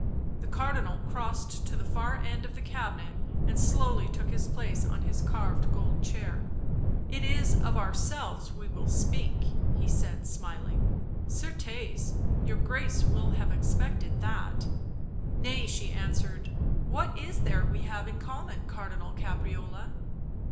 The Cardinal crossed to the far end of the cabinet and slowly took his place on his carved gold chair. "It is of ourselves we will speak," he said, smiling. " Certes, your Grace will have expected that." " Nay," she answered. "What is there we have in common, Cardinal Caprarola?"